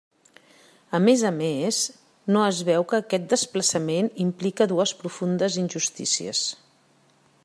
A més a més, no es veu que aquest desplaçament implica dues profundes injustícies.